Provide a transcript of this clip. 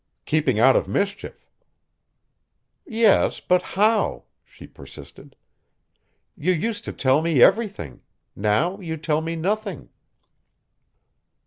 "Keeping out of mischief." "Yes, but how?" she persisted. "You used to tell me everything. Now you tell me nothing."